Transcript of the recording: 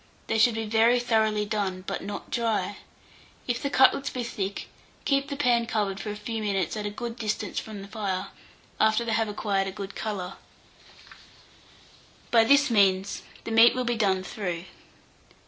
They should be very thoroughly done, but not dry. If the cutlets be thick, keep the pan covered for a few minutes at a good distance from the fire, after they have acquired a good colour: by this means, the meat will be done through.